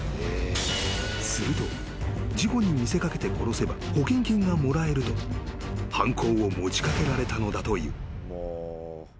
［すると事故に見せ掛けて殺せば保険金がもらえると犯行を持ち掛けられたのだという］